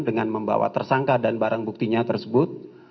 dengan membawa tersangka dan barang buktinya tersebut